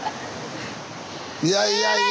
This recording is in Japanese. いやいやいや。